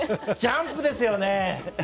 ジャンプですよね。